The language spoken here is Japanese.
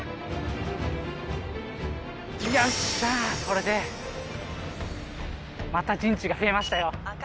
これでまた陣地が増えましたよ。